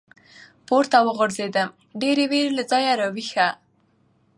پـورتـه وغورځـېدم ، ډېـرې وېـرې له ځايـه راويـښه.